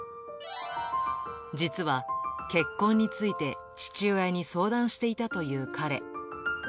実は、結婚について、父親に相談していたという彼。